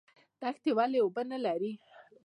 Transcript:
دښتې ولې اوبه نلري؟